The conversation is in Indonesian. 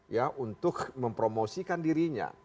ya untuk mempromosikan dirinya